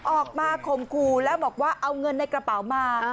ข่มขู่แล้วบอกว่าเอาเงินในกระเป๋ามา